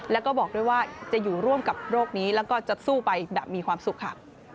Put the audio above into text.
แล้วก็บอกด้วยว่าจะอยู่ร่วมกับโรคนี้แล้วก็จะสู้ไปแบบมีความสุขค่ะ